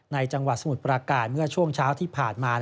จังหวัดสมุทรประการเมื่อช่วงเช้าที่ผ่านมา